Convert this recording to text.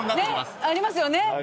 ねぇありますよね。